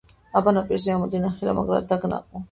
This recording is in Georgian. აბა, ნაპირზე ამოდი, ნახე, რა მაგრად დაგნაყო!